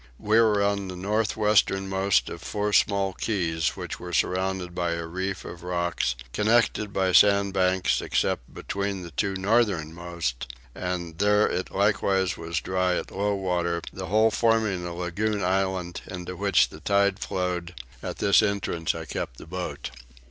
We were on the north westernmost of four small keys which were surrounded by a reef of rocks connected by sandbanks except between the two northernmost, and there likewise it was dry at low water, the whole forming a lagoon island into which the tide flowed: at this entrance I kept the boat.